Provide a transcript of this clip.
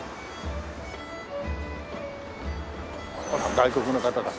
外国の方だ。